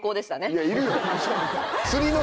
いやいるよ！